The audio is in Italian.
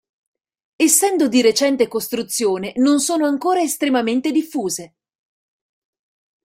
Essendo di recente costruzione non sono ancora estremamente diffuse.